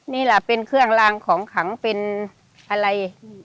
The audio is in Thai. นี่ล่ะเป็นเครื่องลางของขังเป็นอะไร